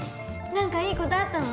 何かいいことあったの？